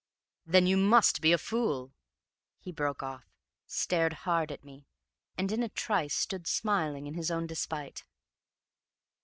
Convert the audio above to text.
"Then you must be a fool " He broke off, stared hard at me, and in a trice stood smiling in his own despite.